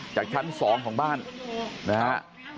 จากชั้น๒ของบ้านนะฮะ